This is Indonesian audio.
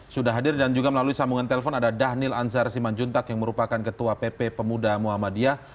sudah hadir dan juga melalui sambungan telepon ada dhanil ansar siman juntak yang merupakan ketua pp pemuda muhammadiyah